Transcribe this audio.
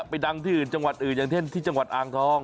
ไปดังที่อย่างเท่นจังหวัดอ่างทอง